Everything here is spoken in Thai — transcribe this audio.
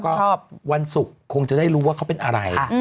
ก็วันศุกร์คงจะได้รู้ว่าเขาเป็นอะไร